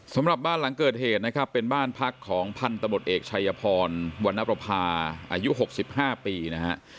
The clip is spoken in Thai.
สำหรับบ้านหลังเกิดเหตุนะครับเป็นบ้านพักของพันธุ์ตะหมดเอกชัยพรวรรณปรภาอายุหกสิบห้าปีนะครับ